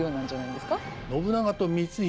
信長と光秀